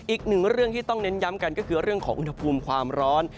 อีกหนึ่งเรื่องที่ต้องเน้นย้ำกันก็คือเรื่องของอุณหภูมิความร้อน